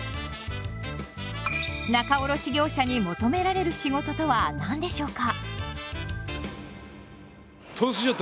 仲卸業者に求められる仕事とは何でしょうか。